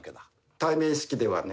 対面式ではね。